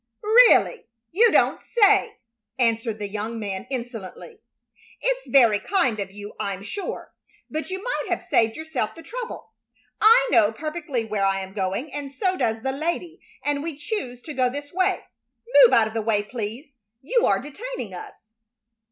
"Really! You don't say so!" answered the young man, insolently. "It is very kind of you, I'm sure, but you might have saved yourself the trouble. I know perfectly where I am going, and so does the lady, and we choose to go this way. Move out of the way, please. You are detaining us."